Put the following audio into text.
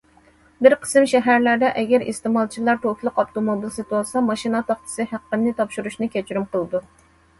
بىر قىسىم شەھەرلەردە، ئەگەر ئىستېمالچىلار توكلۇق ئاپتوموبىل سېتىۋالسا، ماشىنا تاختىسى ھەققىنى تاپشۇرۇشنى كەچۈرۈم قىلىدۇ.